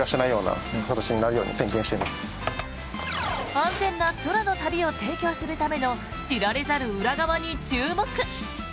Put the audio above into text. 安全な空の旅を提供するための知られざる裏側に注目。